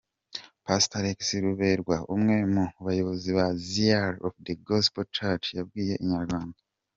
Pastor Alex Ruberwa umwe mu bayobozi ba Zeal of the Gospel church, yabwiye Inyarwanda.